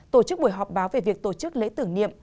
tổ chức buổi họp báo về việc tổ chức lễ tưởng niệm